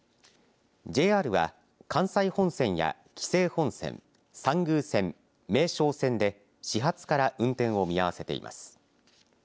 ＪＲは関西本線や紀勢本線、参宮線、名松線で始発から運転を見合わせています。